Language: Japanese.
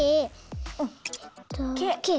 えっとｋ。